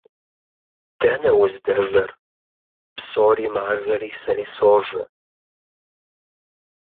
– Дэнэ уздэжэр? – Псори мажэри сэри сожэ.